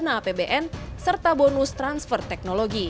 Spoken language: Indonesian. dan melakukan mou pada maret dua ribu enam belas